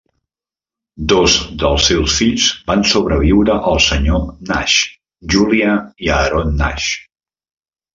Dos dels seus fills van sobreviure el Sr. Nash: Julia i Aaron Nash.